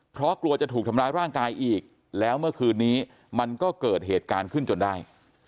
เพราะกลัวจะถูกทำร้ายร่างกายอีกแล้วเมื่อคืนนี้มันก็เกิดเหตุการณ์ขึ้นจนได้